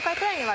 はい。